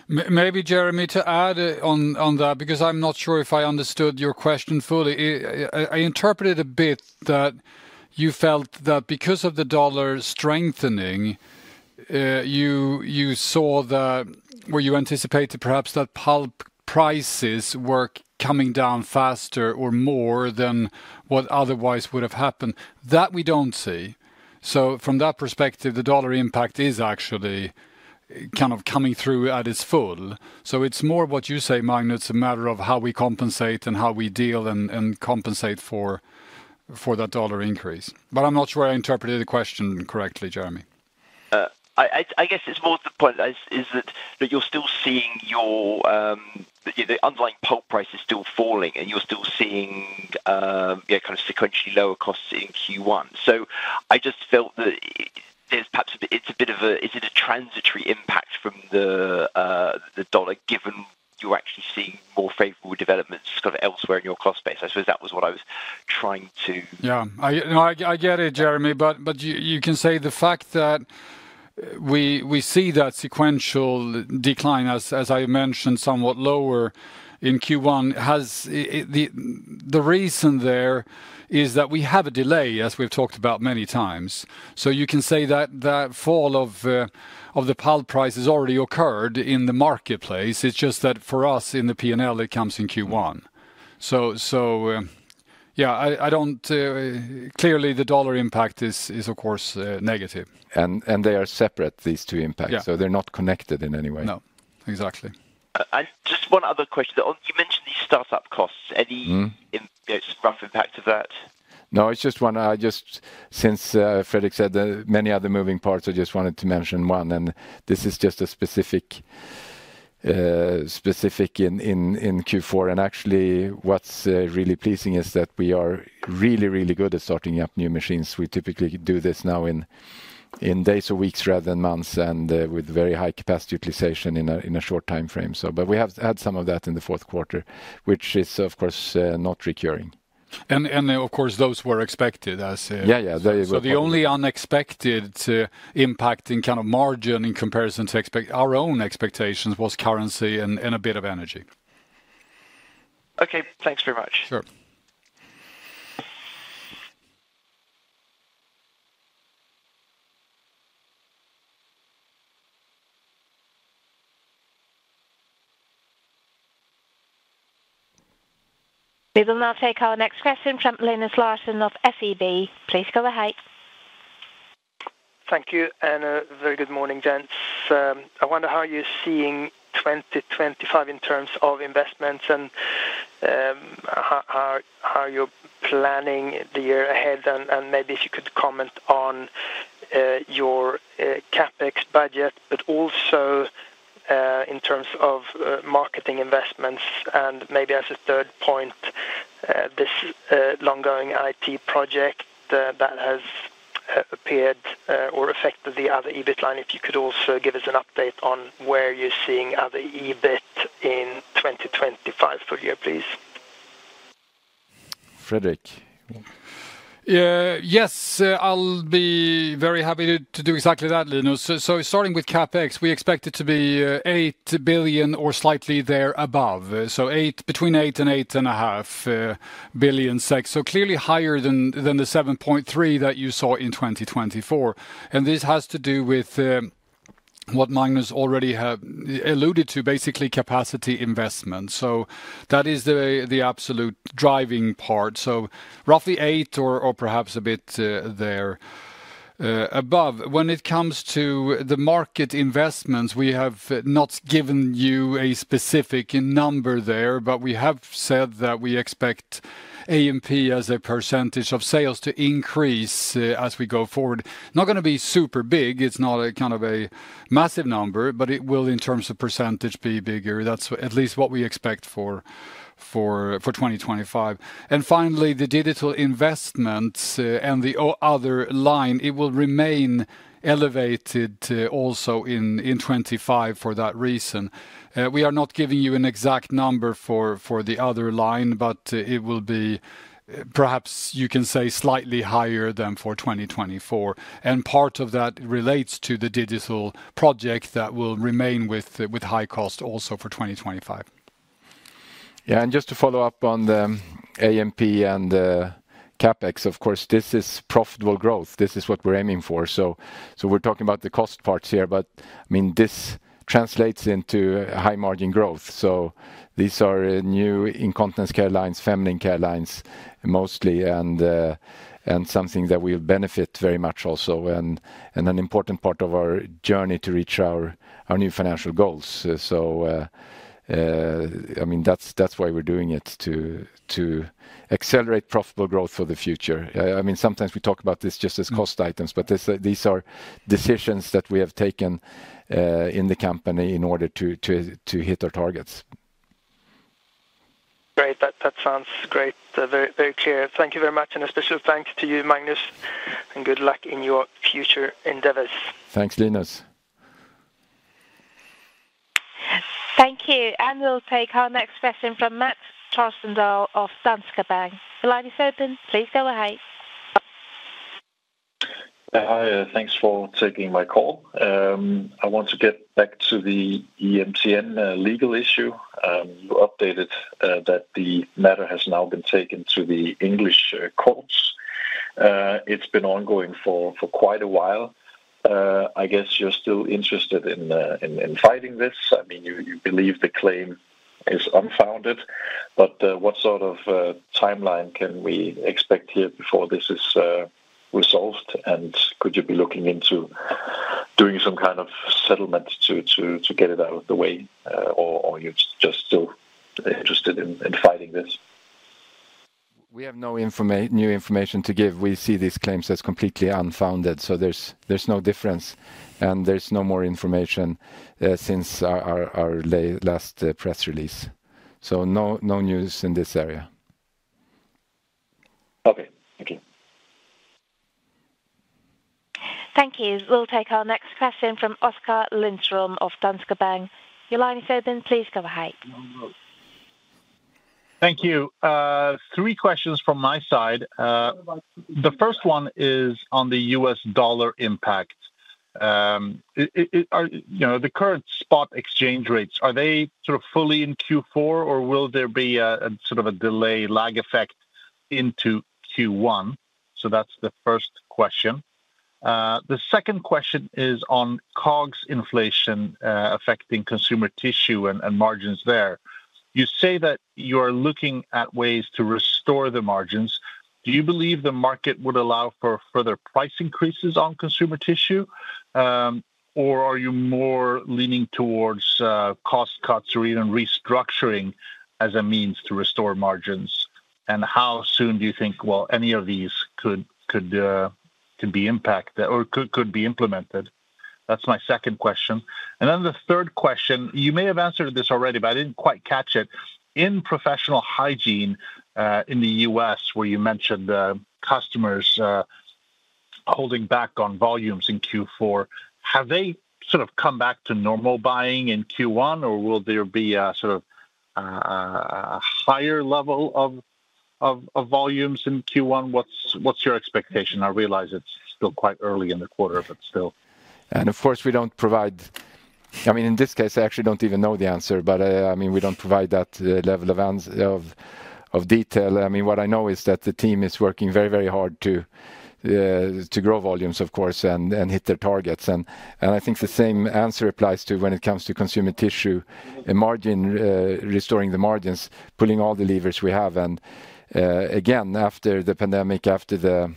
Maybe, Jeremy, to add on that, because I'm not sure if I understood your question fully. I interpreted a bit that you felt that because of the dollar strengthening, you saw that where you anticipated perhaps that pulp prices were coming down faster or more than what otherwise would have happened. That we don't see. So from that perspective, the dollar impact is actually kind of coming through at its full. So it's more what you say, Magnus, a matter of how we compensate and how we deal and compensate for that dollar increase. But I'm not sure I interpreted the question correctly, Jeremy. I guess it's more the point is that you're still seeing your underlying pulp price is still falling and you're still seeing kind of sequentially lower costs in Q1. So I just felt that there's perhaps a bit. It's a bit of a—is it a transitory impact from the dollar given you're actually seeing more favorable developments kind of elsewhere in your cost base? I suppose that was what I was trying to. Yeah, I get it, Jeremy, but you can say the fact that we see that sequential decline, as I mentioned, somewhat lower in Q1, has the reason there is that we have a delay, as we've talked about many times. So you can say that that fall of the pulp price has already occurred in the marketplace. It's just that for us in the P&L, it comes in Q1. So yeah, I don't, clearly the dollar impact is, of course, negative. And they are separate, these two impacts. So they're not connected in any way. No, exactly. Just one other question. You mentioned these startup costs. Any rough impact of that? No, it's just one. I just, since Fredrik said many other moving parts, I just wanted to mention one. And this is just a specific in Q4. And actually, what's really pleasing is that we are really, really good at starting up new machines. We typically do this now in days or weeks rather than months and with very high capacity utilization in a short time frame. But we have had some of that in the fourth quarter, which is, of course, not recurring. And of course, those were expected. Yeah, yeah. So the only unexpected impact in kind of margin in comparison to our own expectations was currency and a bit of energy. Okay, thanks very much. Sure. We will now take our next question from Linus Larsson of SEB. Please go ahead. Thank you. A very good morning, gents. I wonder how you're seeing 2025 in terms of investments and how you're planning the year ahead and maybe if you could comment on your CapEx budget, but also in terms of marketing investments. And maybe as a third point, this long-going IT project that has appeared or affected the other EBIT line, if you could also give us an update on where you're seeing other EBIT in 2025 for the year, please. Fredrik. Yes, I'll be very happy to do exactly that, Linus. So starting with CapEx, we expect it to be 8 billion or slightly thereabove. So between 8 billion and 8.5 billio, so clearly higher than the 7.3 billion that you saw in 2024. And this has to do with what Magnus already alluded to, basically capacity investment. So that is the absolute driving part. So roughly eight or perhaps a bit there above. When it comes to the market investments, we have not given you a specific number there, but we have said that we expect A&P as a percentage of sales to increase as we go forward. Not going to be super big. It's not a kind of a massive number, but it will, in terms of percentage, be bigger. That's at least what we expect for 2025. And finally, the digital investments and the other line, it will remain elevated also in 2025 for that reason. We are not giving you an exact number for the other line, but it will be perhaps you can say slightly higher than for 2024. And part of that relates to the digital project that will remain with high cost also for 2025. Yeah, and just to follow up on the A&P and CapEx, of course, this is profitable growth. This is what we're aiming for. We're talking about the cost parts here, but I mean, this translates into high margin growth. These are new incontinence care lines, feminine care lines mostly, and something that will benefit very much also and an important part of our journey to reach our new financial goals. I mean, that's why we're doing it to accelerate profitable growth for the future. I mean, sometimes we talk about this just as cost items, but these are decisions that we have taken in the company in order to hit our targets. Great. That sounds great. Very clear. Thank you very much. And a special thanks to you, Magnus, and good luck in your future endeavors. Thanks, Linus. Thank you. We'll take our next question from Matt Charleston Doyle of Danske Bank. The line is open. Please go ahead. Hi, thanks for taking my call. I want to get back to the Mexican legal issue. You updated that the matter has now been taken to the English courts. It's been ongoing for quite a while. I guess you're still interested in fighting this. I mean, you believe the claim is unfounded, but what sort of timeline can we expect here before this is resolved? And could you be looking into doing some kind of settlement to get it out of the way, or are you just still interested in fighting this? We have no new information to give. We see these claims as completely unfounded. So there's no difference, and there's no more information since our last press release. So no news in this area. Okay. Thank you. Thank you. We'll take our next question from Oskar Lindström of Danske Bank. Your line is open. Please go ahead. Thank you. Three questions from my side. The first one is on the U.S. dollar impact. The current spot exchange rates, are they sort of fully in Q4, or will there be sort of a delay, lag effect into Q1? So that's the first question. The second question is on COGS inflation affecting Consumer Tissue and margins there. You say that you are looking at ways to restore the margins. Do you believe the market would allow for further price increases on Consumer Tissue, or are you more leaning towards cost cuts or even restructuring as a means to restore margins? And how soon do you think, well, any of these could be impacted or could be implemented? That's my second question. And then the third question, you may have answered this already, but I didn't quite catch it. In Professional Hygiene in the U.S., where you mentioned customers holding back on volumes in Q4, have they sort of come back to normal buying in Q1, or will there be a sort of higher level of volumes in Q1? What's your expectation? I realize it's still quite early in the quarter, but still. And of course, we don't provide, I mean, in this case, I actually don't even know the answer, but I mean, we don't provide that level of detail. I mean, what I know is that the team is working very, very hard to grow volumes, of course, and hit their targets. And I think the same answer applies to when it comes to Consumer Tissue, restoring the margins, pulling all the levers we have. Again, after the pandemic, after the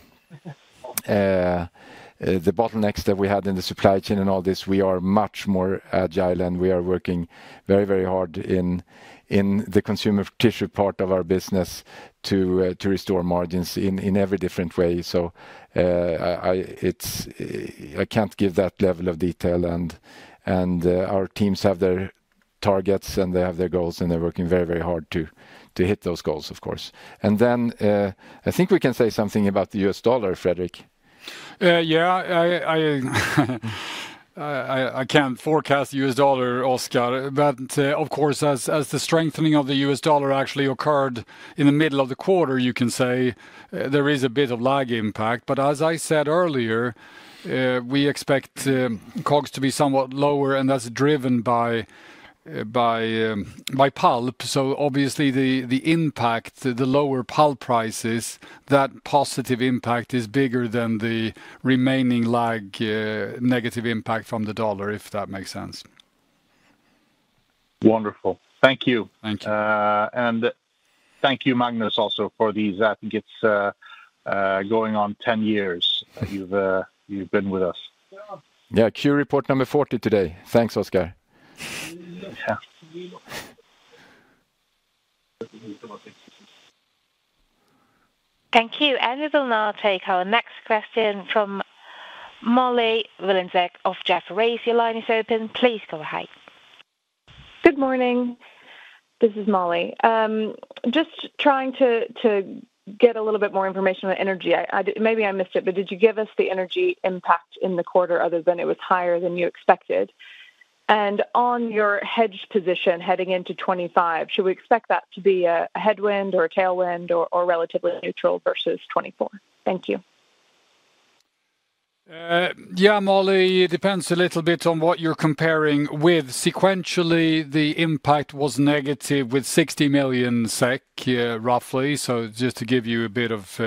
bottlenecks that we had in the supply chain and all this, we are much more agile, and we are working very, very hard in the Consumer Tissue part of our business to restore margins in every different way. I can't give that level of detail. Our teams have their targets, and they have their goals, and they're working very, very hard to hit those goals, of course. I think we can say something about the U.S. dollar, Fredrik. Yeah, I can't forecast the U.S. dollar, Oskar. But of course, as the strengthening of the U.S. dollar actually occurred in the middle of the quarter, you can say there is a bit of lag impact. But as I said earlier, we expect COGS to be somewhat lower, and that's driven by pulp. So obviously, the impact, the lower pulp prices, that positive impact is bigger than the remaining lag negative impact from the dollar, if that makes sense. Wonderful. Thank you. Thank you. And thank you, Magnus, also for these, I think it's going on 10 years you've been with us. Yeah, Q report number 40 today. Thanks, Oskar. Thank you. And we will now take our next question from Molly Wylenzek of Jefferies. Your line is open. Please go ahead. Good morning. This is Molly. Just trying to get a little bit more information on energy. Maybe I missed it, but did you give us the energy impact in the quarter other than it was higher than you expected? And on your hedge position heading into 25, should we expect that to be a headwind or a tailwind or relatively neutral versus 24? Thank you. Yeah, Molly, it depends a little bit on what you're comparing with. Sequentially, the impact was negative with 60 million SEK, roughly. So just to give you a bit of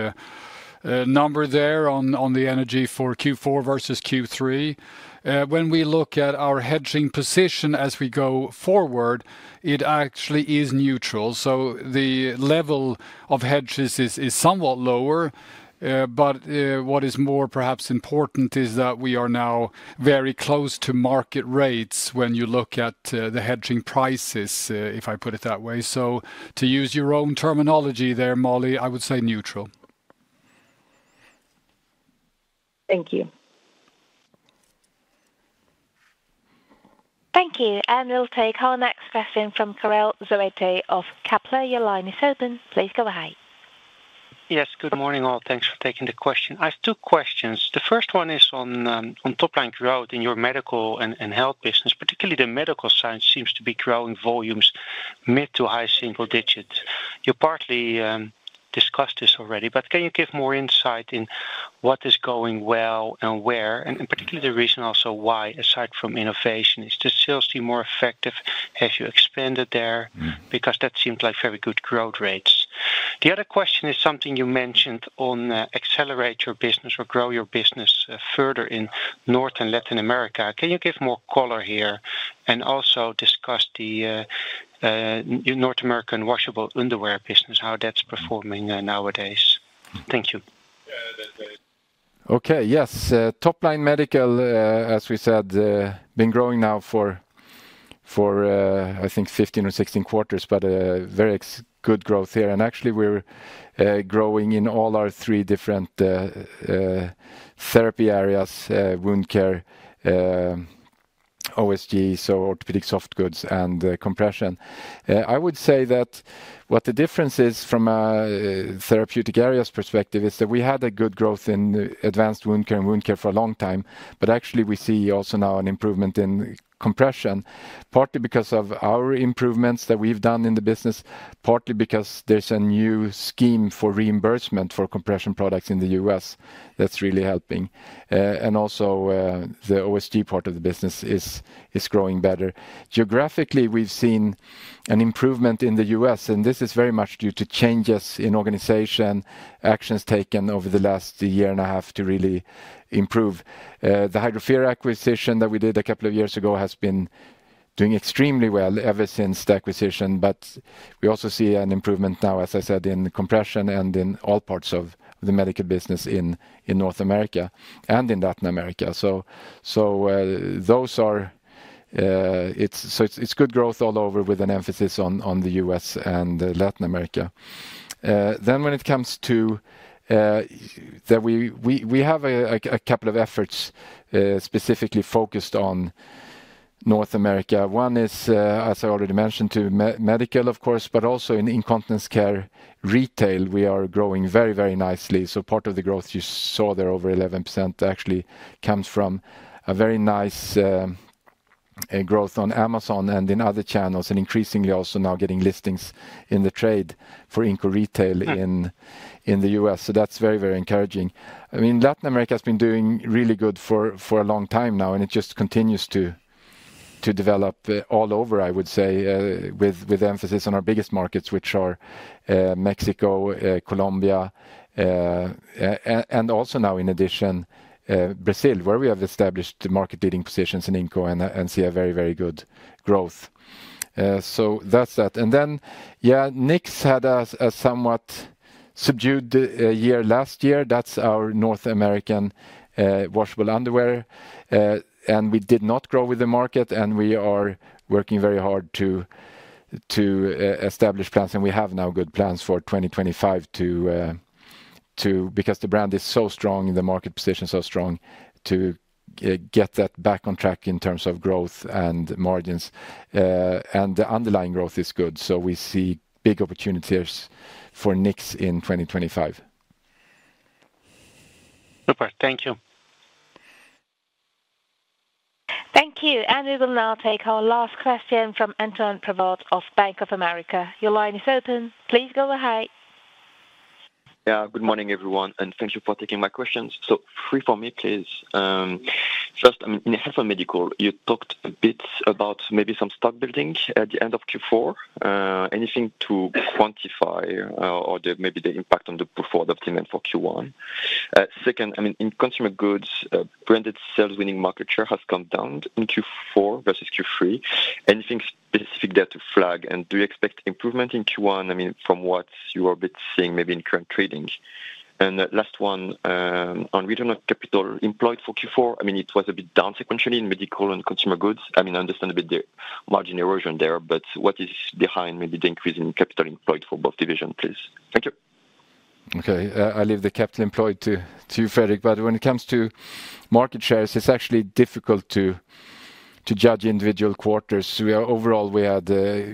a number there on the energy for Q4 versus Q3. When we look at our hedging position as we go forward, it actually is neutral. So the level of hedges is somewhat lower, but what is more perhaps important is that we are now very close to market rates when you look at the hedging prices, if I put it that way. So to use your own terminology there, Molly, I would say neutral. Thank you. Thank you. And we'll take our next question from Karel Zoete of Kepler Cheuvreux. Your line is open. Please go ahead. Yes, good morning all. Thanks for taking the question. I have two questions. The first one is on top-line growth in your Health and Medical business, particularly the Medical Solutions seems to be growing volumes mid- to high-single-digits. You partly discussed this already, but can you give more insight in what is going well and where, and particularly the reason also why, aside from innovation? Is the sales team more effective? Have you expanded there? Because that seemed like very good growth rates. The other question is something you mentioned on accelerate your business or grow your business further in North America and Latin America. Can you give more color here and also discuss the North American washable underwear business, how that's performing nowadays? Thank you. Okay, yes. Top-line Medical, as we said, been growing now for, I think, 15 or 16 quarters, but very good growth here. Actually, we're growing in all our three different therapy areas, wound care, OSG, so orthopedic soft goods, and compression. I would say that what the difference is from a therapeutic areas perspective is that we had a good growth in advanced wound care and wound care for a long time, but actually, we see also now an improvement in compression, partly because of our improvements that we've done in the business, partly because there's a new scheme for reimbursement for compression products in the U.S. that's really helping. Also, the OSG part of the business is growing better. Geographically, we've seen an improvement in the U.S., and this is very much due to changes in organization, actions taken over the last year and a half to really improve. The Hydrofera acquisition that we did a couple of years ago has been doing extremely well ever since the acquisition, but we also see an improvement now, as I said, in compression and in all parts of the medical business in North America and in Latin America. So it's good growth all over with an emphasis on the U.S. and Latin America. Then when it comes to that, we have a couple of efforts specifically focused on North America. One is, as I already mentioned, the medical, of course, but also in incontinence care retail, we are growing very, very nicely. So part of the growth you saw there over 11% actually comes from a very nice growth on Amazon and in other channels, and increasingly also now getting listings in the trade for Inco Retail in the U.S. So that's very, very encouraging. I mean, Latin America has been doing really good for a long time now, and it just continues to develop all over, I would say, with emphasis on our biggest markets, which are Mexico, Colombia, and also now, in addition, Brazil, where we have established market-leading positions in Inco and see a very, very good growth. So that's that. And then, yeah, Knix had a somewhat subdued year last year. That's our North American washable underwear. And we did not grow with the market, and we are working very hard to establish plans, and we have now good plans for 2025 because the brand is so strong, the market position is so strong to get that back on track in terms of growth and margins. And the underlying growth is good. So we see big opportunities for Knix in 2025. Super. Thank you. Thank you. We will now take our last question from Antoine Prévost of Bank of America. Your line is open. Please go ahead. Yeah, good morning, everyone. And thank you for taking my questions. So three for me, please. First, in the Health and Medical, you talked a bit about maybe some stock building at the end of Q4. Anything to quantify or maybe the impact on the profit outcome for Q1? Second, I mean, in Consumer Goods, branded sales winning market share has come down in Q4 versus Q3. Anything specific there to flag? And do you expect improvement in Q1? I mean, from what you are a bit seeing maybe in current trading. And last one, on return on capital employed for Q4, I mean, it was a bit down sequentially in Medical and Consumer Goods. I mean, I understand a bit the margin erosion there, but what is behind maybe the increase in capital employed for both divisions, please? Thank you. Okay. I leave the capital employed to Fredrik, but when it comes to market shares, it's actually difficult to judge individual quarters. Overall, we had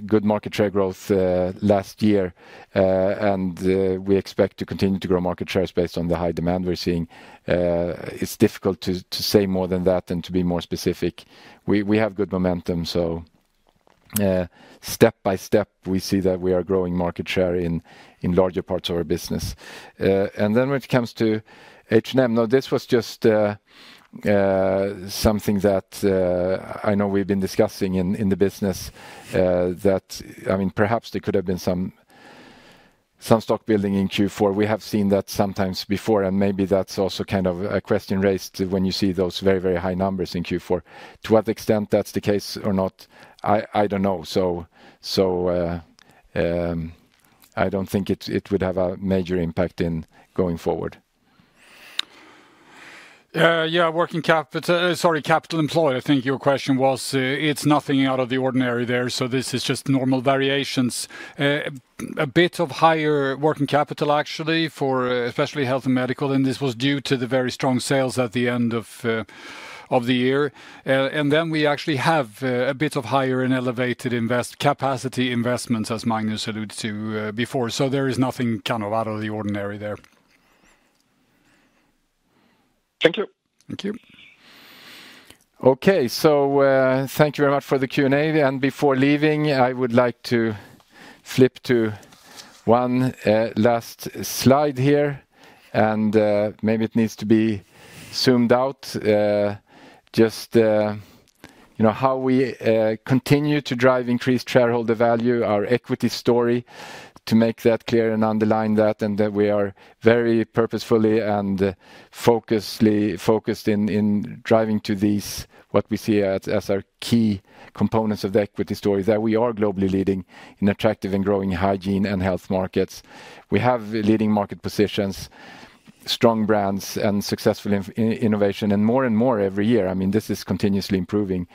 good market share growth last year, and we expect to continue to grow market shares based on the high demand we're seeing. It's difficult to say more than that and to be more specific. We have good momentum. So step by step, we see that we are growing market share in larger parts of our business. And then when it comes to H&M, now this was just something that I know we've been discussing in the business that, I mean, perhaps there could have been some stock building in Q4. We have seen that sometimes before, and maybe that's also kind of a question raised when you see those very, very high numbers in Q4. To what extent that's the case or not, I don't know. So I don't think it would have a major impact in going forward. Yeah, working capital, sorry, capital employed, I think your question was, it's nothing out of the ordinary there. So this is just normal variations. A bit of higher working capital, actually, for especially health and medical, and this was due to the very strong sales at the end of the year. And then we actually have a bit of higher and elevated capacity investments, as Magnus alluded to before. So there is nothing kind of out of the ordinary there. Thank you. Thank you. Okay, so thank you very much for the Q&A. Before leaving, I would like to flip to one last slide here, and maybe it needs to be zoomed out. Just how we continue to drive increased shareholder value, our equity story, to make that clear and underline that, and that we are very purposefully and focused in driving to these what we see as our key components of the equity story, that we are globally leading in attractive and growing hygiene and health markets. We have leading market positions, strong brands, and successful innovation, and more and more every year. I mean, this is continuously improving.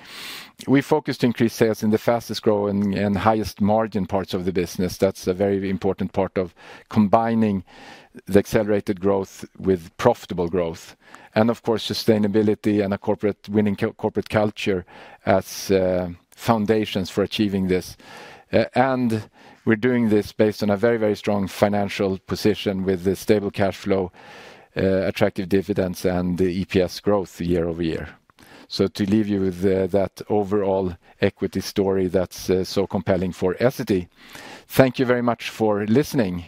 We focused increased sales in the fastest growing and highest margin parts of the business. That's a very important part of combining the accelerated growth with profitable growth. And of course, sustainability and a winning corporate culture as foundations for achieving this. We're doing this based on a very, very strong financial position with the stable cash flow, attractive dividends, and the EPS growth year over year. To leave you with that overall equity story that's so compelling for Essity. Thank you very much for listening.